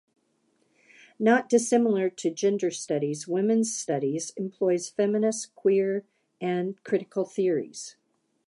Not dissimilar to gender studies, women's studies employs feminist, queer, and critical theories.